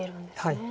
はい。